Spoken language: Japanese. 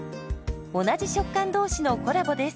同じ食感同士のコラボです。